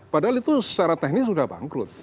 padahal itu secara teknis sudah bangkrut